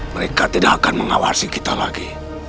mereka tidak akan mengawasi kita lagi